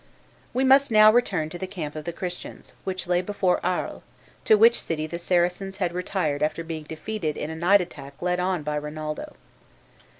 We must now return to the camp of the Christians, which lay before Arles, to which city the Saracens had retired after being defeated in a night attack led on by Rinaldo.